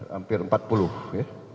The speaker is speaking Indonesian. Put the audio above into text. hampir empat puluh